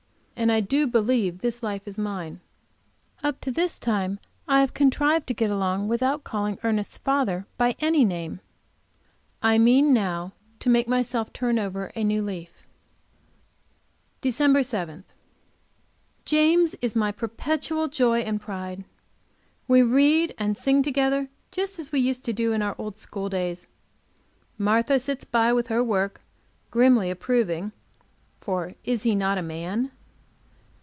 And I do believe this life is mine. Up to this time I have contrived to get along without calling Ernest's father by any name. I mean now to make myself turn over a new leaf. DECEMBER 7. James is my perpetual joy and pride. We read and sing together, just as we used to do in our old school days. Martha sits by, with her work, grimly approving; for is he not a man?